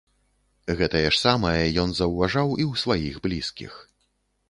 Гэтае ж самае ён заўважаў і ў сваіх блізкіх.